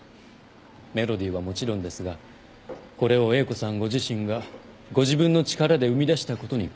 メロディーはもちろんですがこれを英子さんご自身がご自分の力で生み出したことに感動しています。